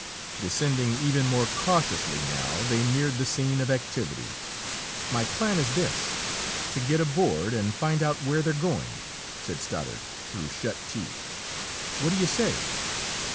Descending even more cautiously now, they neared the scene of activity. "My plan is this to get aboard and find out where they're going!" said Stoddard, through shut teeth. "What do you say?"